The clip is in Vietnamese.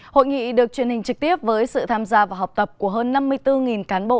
hội nghị được truyền hình trực tiếp với sự tham gia và học tập của hơn năm mươi bốn cán bộ